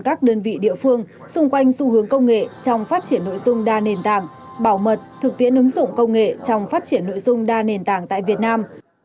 các đơn vị địa phương xung quanh xu hướng công nghệ trong phát triển nội dung đa nền tảng bảo mật thực tiễn ứng dụng công nghệ trong phát triển nội dung đa nền tảng tại việt nam